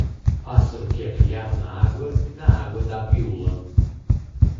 Pássaro que é criado na água, na água da piula.